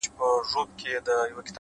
لوړ لید واړه خنډونه کوچني ښيي!.